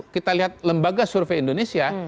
kita lihat lembaga survei indonesia